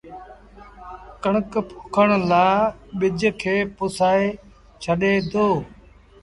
ڪڻڪ پوکڻ لآ ٻج کي پُسآئي ڇڏي دو